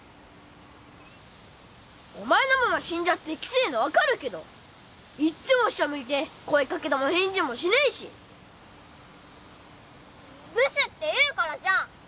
お前のママ死んじゃってキツイの分かるけどいっつも下向いて声かけても返事もしねえしブスって言うからじゃん！